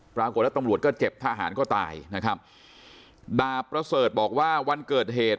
ปรากฏแล้วตำรวจก็เจ็บทหารก็ตายนะครับดาบประเสริฐบอกว่าวันเกิดเหตุ